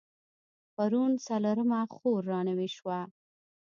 پرون څلرمه خور رانوې شوه.